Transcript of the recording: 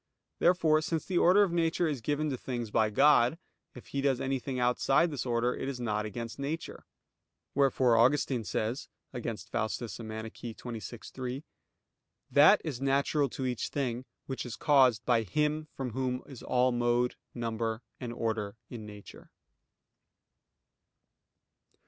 Therefore since the order of nature is given to things by God; if He does anything outside this order, it is not against nature. Wherefore Augustine says (Contra Faust. xxvi, 3): "That is natural to each thing which is caused by Him from Whom is all mode, number, and order in nature."